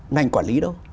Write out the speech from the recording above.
ngành quản lý đâu